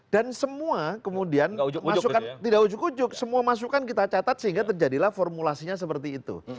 dan semua kemudian masukkan tidak ujuk ujuk semua masukkan kita catat sehingga terjadilah formulasinya seperti itu